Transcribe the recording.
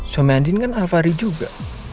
suami andien kan alvahri juga